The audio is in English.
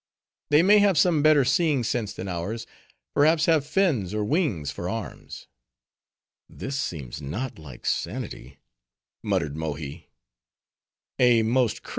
They may have some better seeing sense than ours; perhaps, have fins or wings for arms." "This seems not like sanity," muttered Mohi.